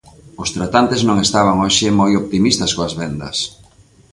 Os tratantes non estaban hoxe moi optimistas coas vendas.